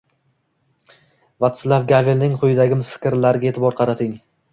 Vatslav Gavelning quyidagi fikrlariga e’tibor qarating: